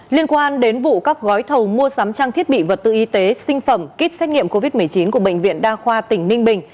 liên quan đến vụ các gói thầu mua sắm trang thiết bị vật tư y tế sinh phẩm kit xét nghiệm covid một mươi chín của bệnh viện đa khoa tỉnh ninh bình